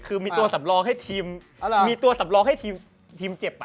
คือมีตัวสำรองให้ทีมเจ็บ